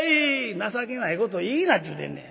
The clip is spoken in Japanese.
「情けないこと言いなっちゅうてんねん」。